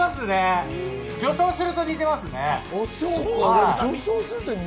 女装すると似てますね。